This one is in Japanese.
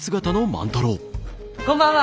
こんばんは！